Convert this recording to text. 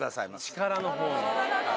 力のほうに。